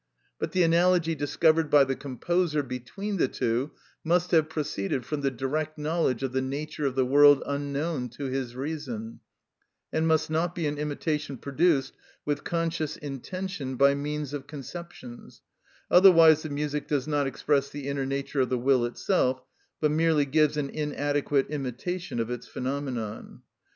But the analogy discovered by the composer between the two must have proceeded from the direct knowledge of the nature of the world unknown to his reason, and must not be an imitation produced with conscious intention by means of conceptions, otherwise the music does not express the inner nature of the will itself, but merely gives an inadequate imitation of its phenomenon.